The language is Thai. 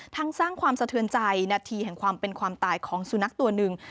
สร้างความสะเทือนใจนาทีแห่งความเป็นความตายของสุนัขตัวหนึ่ง